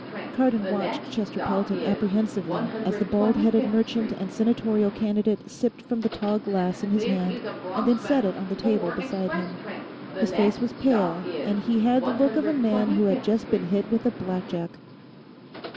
Cardon watched Chester Pelton apprehensively as the bald headed merchant and senatorial candidate sipped from the tall glass in his hand and then set it on the table beside him. His face was pale, and he had the look of a man who has just been hit with a blackjack.